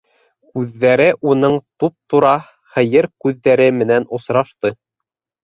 Күҙҙәре уның туп-тура һыйыр күҙҙәре менән осрашты.